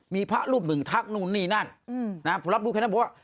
มีพระรูปหนึ่งทักนู่นนี่นั่นผมรับรู้แค่นั้นบอกว่า